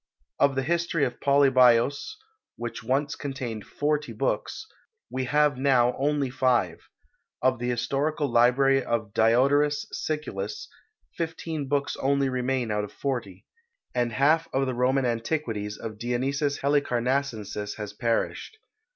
Of the history of Polybios, which once contained forty books, we have now only five; of the historical library of Diodorus Siculus fifteen books only remain out of forty; and half of the Roman antiquities of Dionysius Helicarnassensis has perished.